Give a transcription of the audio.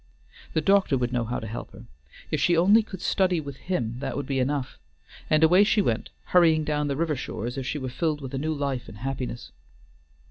The doctor would know how to help her; if she only could study with him that would be enough; and away she went, hurrying down the river shore as if she were filled with a new life and happiness.